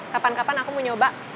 kapan kapan aku mau nyoba